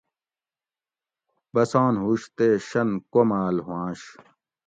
بسان ہُوش تے شۤن کوماۤل ہُواۤںش